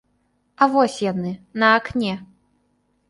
А вось яны, на акне.